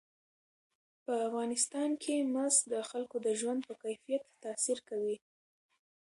په افغانستان کې مس د خلکو د ژوند په کیفیت تاثیر کوي.